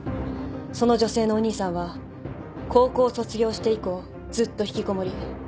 その女性のお兄さんは高校を卒業して以降ずっと引きこもり。